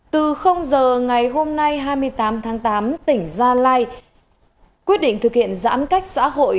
từ giờ ngày hôm nay hai mươi tám tháng tám tỉnh gia lai quyết định thực hiện giãn cách xã hội